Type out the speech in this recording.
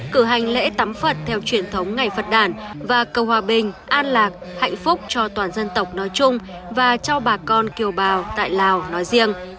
cử hành lễ tắm phật theo truyền thống ngày phật đảng và cầu hòa bình an lạc hạnh phúc cho toàn dân tộc nói chung và cho bà con kiều bào tại lào nói riêng